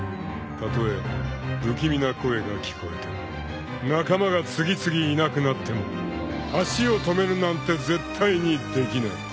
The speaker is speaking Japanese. ［たとえ不気味な声が聞こえても仲間が次々いなくなっても足を止めるなんて絶対にできない］